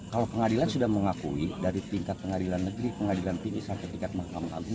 kalau pengadilan sudah mengakui dari tingkat pengadilan negeri pengadilan tinggi sampai tingkat mahkamah agung